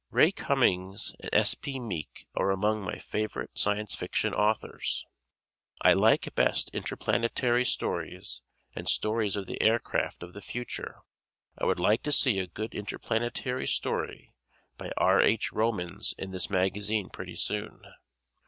Ray Cummings and S. P. Meek are among my favorite Science Fiction authors. I like best interplanetary stories and stories of the aircraft of the future. I would like to see a good interplanetary story by R. H. Romans in this magazine pretty soon.